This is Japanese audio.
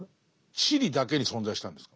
チリだけに存在したんですか？